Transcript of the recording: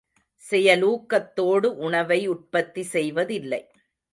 செயலூக்கத்தோடு உணவை உற்பத்தி செய்வதில்லை.